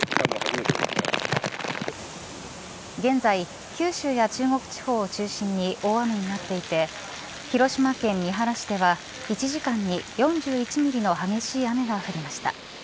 現在、九州や中国地方を中心に大雨になっていて広島県三原市では１時間に４１ミリの激しい雨が降りました。